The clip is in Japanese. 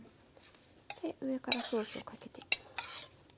上からソースをかけていきます。